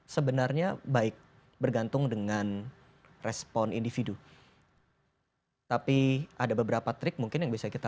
sebenarnya baik bergantung dengan respon individu tapi ada beberapa trik mungkin yang bisa kita